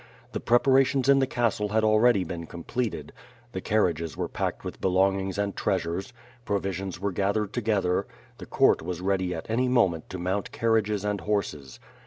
The preparations in the castle had already been completed; the carriages were packed with belongings and treasures; provisions were gathered together; 300 WITH FIRE AND SWORD. the court was ready at any moment to mount carriages and horses.